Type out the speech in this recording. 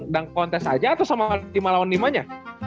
dunk kontes aja atau sama lima lawan lima nya